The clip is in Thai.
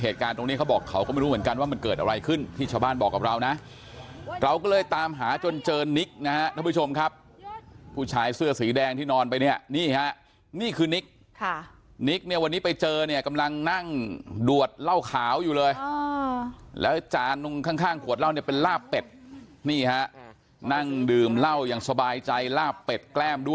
เหตุการณ์ตรงนี้เขาบอกเขาก็ไม่รู้เหมือนกันว่ามันเกิดอะไรขึ้นที่ชาวบ้านบอกกับเรานะเราก็เลยตามหาจนเจอนิกนะฮะท่านผู้ชมครับผู้ชายเสื้อสีแดงที่นอนไปเนี่ยนี่ฮะนี่คือนิกค่ะนิกเนี่ยวันนี้ไปเจอเนี่ยกำลังนั่งดวดเหล้าขาวอยู่เลยแล้วจานตรงข้างข้างขวดเหล้าเนี่ยเป็นลาบเป็ดนี่ฮะนั่งดื่มเหล้าอย่างสบายใจลาบเป็ดแก้มด้วย